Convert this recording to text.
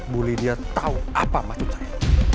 bu lydia tahu apa maksud saya